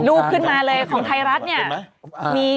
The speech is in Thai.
ขึ้นมาเลยของไทยรัฐเนี่ย